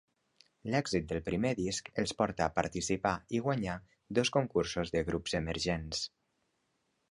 L'èxit del primer disc els porta a participar i guanyar dos concursos de grups emergents.